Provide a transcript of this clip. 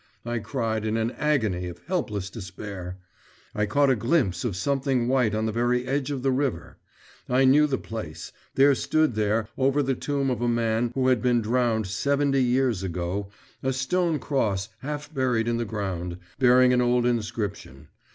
I cried in an agony of helpless despair.… I caught a glimpse of something white on the very edge of the river. I knew the place; there stood there, over the tomb of a man who had been drowned seventy years ago, a stone cross half buried in the ground, bearing an old inscription.